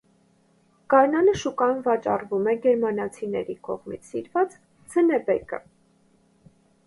Գարնանը շուկայոմ վաճառվում էր գերմանացիների կողմից սիրված ձնեբեկը։